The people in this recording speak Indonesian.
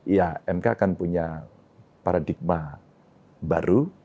ya mk akan punya paradigma baru